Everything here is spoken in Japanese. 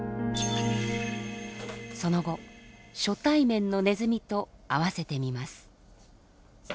その後初対面のネズミと会わせてみます。